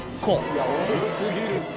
いや多すぎるって。